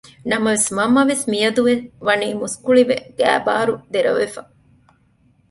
ނަމަވެސް މަންމަވެސް މިއަދު ވަނީ މުސްކުޅިވެ ގައިބާރު ދެރަވެފަ